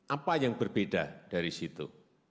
apa yang berbeda dari situ